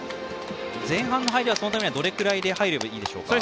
前半の入りはそのためには、どのぐらいで入ればいいでしょうか？